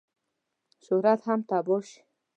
شهرت هم تباه شي.